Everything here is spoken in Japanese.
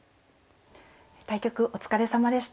対局お疲れさまでした。